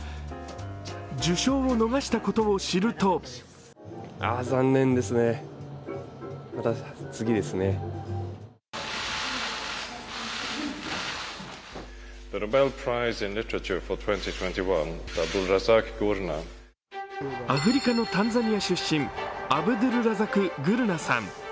受賞を逃したことを知るとアフリカのタンザニア出身、アブドゥルラザク・グルナさん。